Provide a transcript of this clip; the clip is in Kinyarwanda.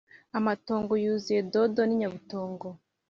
amatongo yuzuye dodo n’inyabutongo